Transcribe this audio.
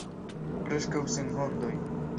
Preskaŭ sen ondoj.